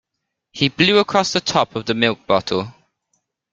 He blew across the top of the milk bottle